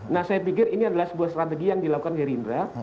nah saya pikir ini adalah sebuah strategi yang dilakukan gerindra